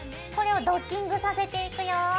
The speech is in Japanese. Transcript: これをドッキングさせていくよ。